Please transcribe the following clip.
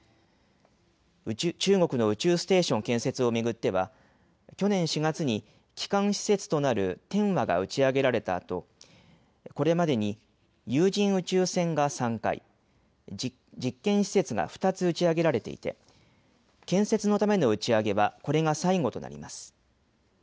中国の宇宙ステーション建設を巡っては去年４月に基幹施設となる天和が打ち上げられたあとこれまでに有人宇宙船が３回、実験施設が２つ打ち上げられていて建設のための打ち上げはこれが最後となります。